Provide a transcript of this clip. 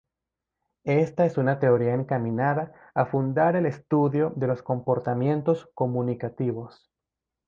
Esta es una teoría encaminada a fundar el estudio de los comportamientos comunicativos.